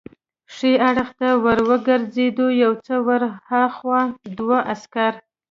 ښي اړخ ته ور وګرځېدو، یو څه ور هاخوا دوه عسکر.